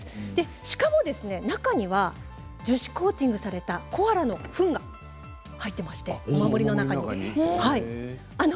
しかも中には樹脂コーティングされたコアラのフンが入っていましてお守りの中に。